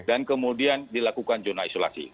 dan kemudian dilakukan zona isolasi